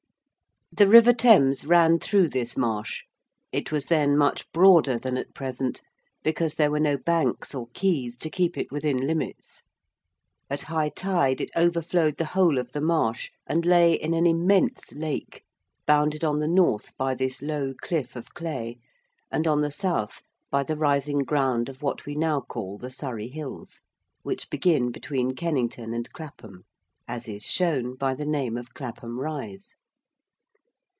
The river Thames ran through this marsh. It was then much broader than at present, because there were no banks or quays to keep it within limits: at high tide it overflowed the whole of the marsh and lay in an immense lake, bounded on the north by this low cliff of clay, and on the south by the rising ground of what we now call the Surrey Hills, which begin between Kennington and Clapham, as is shown by the name of Clapham Rise.